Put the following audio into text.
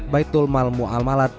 baitul malmu amalat